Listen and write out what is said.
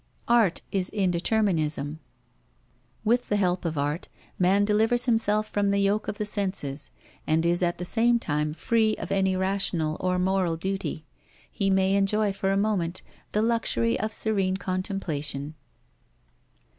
Art is indeterminism. With the help of art, man delivers himself from the yoke of the senses, and is at the same time free of any rational or moral duty: he may enjoy for a moment the luxury of serene contemplation.